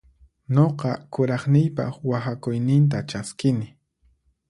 Nuqa kuraqniypaq waqhakuyninta chaskini.